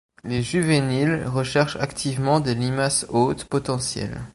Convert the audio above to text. Les juvéniles recherchent activement des limaces hôtes potentielles.